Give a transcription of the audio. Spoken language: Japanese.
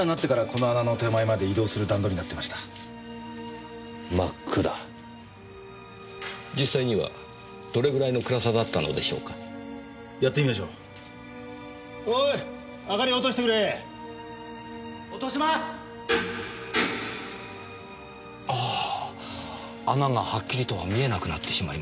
ああ穴がはっきりとは見えなくなってしまいますねえ。